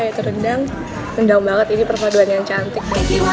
ya itu rendang rendang banget ini perpaduan yang cantik